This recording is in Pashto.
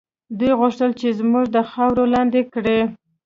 دوی غوښتل چې موږ د خاورو لاندې کړي.